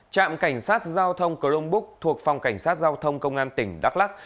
trạm cảnh sát giao thông chromebook thuộc phòng cảnh sát giao thông công an tỉnh đắk lắc